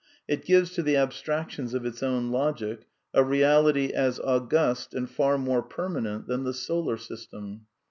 It gives to the abstractions of its own L> logic a reality as august and far more permanent than ther^ solar system.